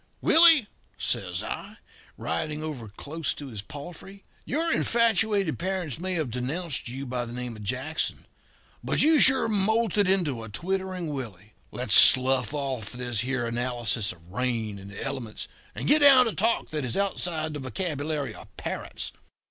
"'Willie,' says I, riding over close to his palfrey, 'your infatuated parents may have denounced you by the name of Jackson, but you sure moulted into a twittering Willie let us slough off this here analysis of rain and the elements, and get down to talk that is outside the vocabulary of parrots.